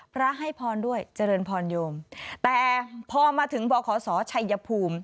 พระให้พรด้วยเจริญพรโยมแต่พอมาถึงบขศชัยภูมิ